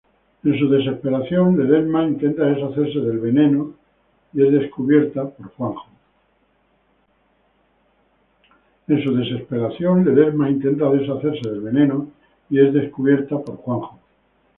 En su desesperación, Ledesma intenta deshacerse del veneno y es descubierta por Juanjo.